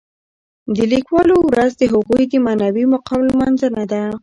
د لیکوالو ورځ د هغوی د معنوي مقام لمانځنه ده.